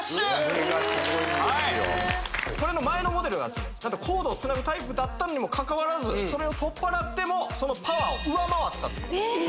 これの前のモデルがコードをつなぐタイプだったにもかかわらずそれを取っ払ってもそのパワーを上回ったという・え